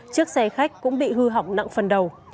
chiếc xe khách cũng bị hư hỏng nặng phần đầu